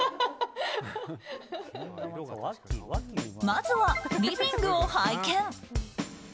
まずはリビングを拝見。